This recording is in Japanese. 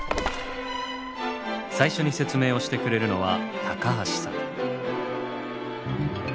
最初に説明をしてくれるのは橋さん。